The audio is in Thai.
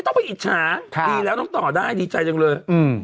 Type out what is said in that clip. ออกและแค้น